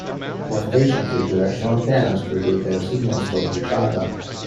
Both stations use directional antennas to reduce their signals toward each other.